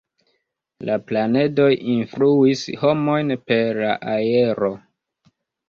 La planedoj influis homojn per la aero.